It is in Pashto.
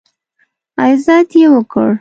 عزت یې وکړ.